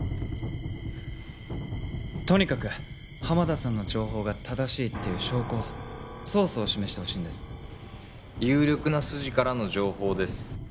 とにかく浜田さんの情報が正しいっていう証拠をソースを示してほしいんです有力な筋からの情報です